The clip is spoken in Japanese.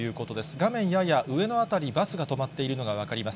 画面やや上の辺り、バスが止まっているのが分かります。